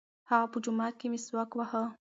هغه په جومات کې مسواک واهه.